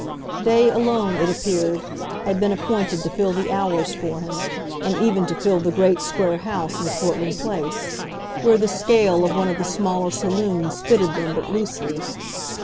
They alone, it appeared, had been appointed to fill the hours for him, and even to fill the great square house in Portland Place, where the scale of one of the smaller saloons fitted them but loosely.